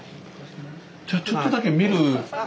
じゃあちょっとだけ見る。